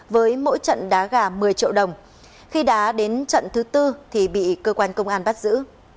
với mỗi trận đá gà một mươi triệu đồng khi đã đến trận thứ tư thì bị cơ quan công an bắt giữ